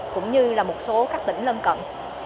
cũng như là một số các tỉnh lân cận